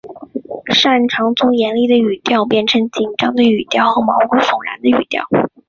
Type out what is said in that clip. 善长从严厉的语调到变成紧张的语调和毛骨悚然的语调。